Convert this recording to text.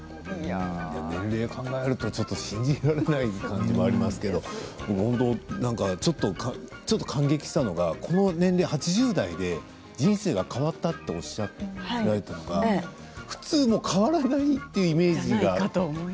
年齢を考えると信じられないこともありますけどちょっと感激したのが８０代で人生が変わったっておっしゃって普通はもう変わらないっていうイメージがある。